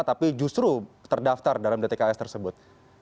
tapi justru terdaftar dalam dtks tersebut